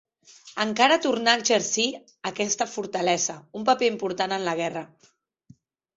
Encara tornà a exercir aquesta fortalesa un paper important en la guerra.